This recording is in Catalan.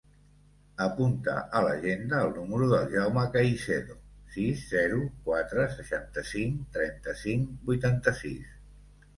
Apunta a l'agenda el número del Jaume Caicedo: sis, zero, quatre, seixanta-cinc, trenta-cinc, vuitanta-sis.